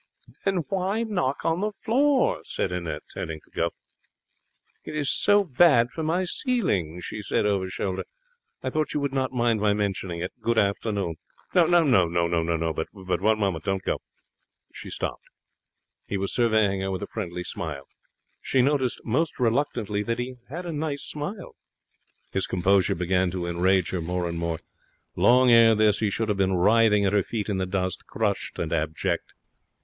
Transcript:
'Then why knock on the floor?' said Annette, turning to go. 'It is so bad for my ceiling,' she said over shoulder. 'I thought you would not mind my mentioning it. Good afternoon.' 'No; but one moment. Don't go.' She stopped. He was surveying her with a friendly smile. She noticed most reluctantly that he had a nice smile. His composure began to enrage her more and more. Long ere this he should have been writhing at her feet in the dust, crushed and abject.